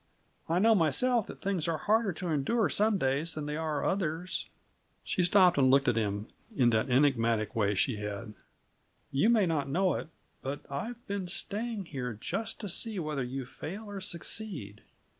I know myself that things are harder to endure some days than they are others." She stopped and looked at him in that enigmatical way she had. "You may not know it but I've been staying here just to see whether you fail or succeed.